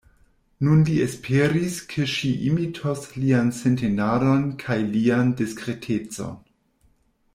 Nun li esperis, ke ŝi imitos lian sintenadon kaj lian diskretecon.